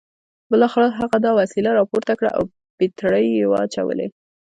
بالاخره هغه دا وسیله راپورته کړه او بیټرۍ یې واچولې